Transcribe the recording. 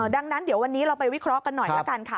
ดังนั้นเดี๋ยววันนี้เราไปวิเคราะห์กันหน่อยละกันค่ะ